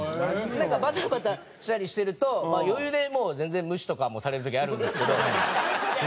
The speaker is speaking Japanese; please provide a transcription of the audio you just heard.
なんかバタバタしたりしてると余裕で全然無視とかもされる時あるんですけど。